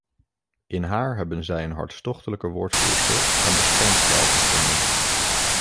In haar hebben zij een hartstochtelijke woordvoerster en beschermvrouw gevonden.